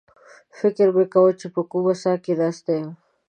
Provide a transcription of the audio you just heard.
فکر مې کاوه چې په کومه څاه کې ناست یم.